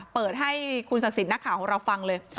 เปิดให้คุณศักดิ์สิทธิ์นักข่าวของเราฟังเลย